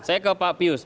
saya ke pak pius